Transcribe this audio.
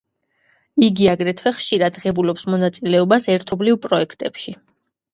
იგი აგრეთვე ხშირად ღებულობს მონაწილეობას ერთობლივ პროექტებში.